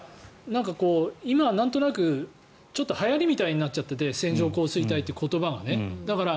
今、なんとなくはやりみたいになっちゃってて線状降水帯っていう言葉が。